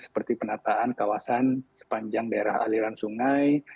seperti penataan kawasan sepanjang daerah aliran sungai